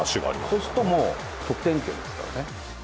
そうするともう、得点圏ですからね。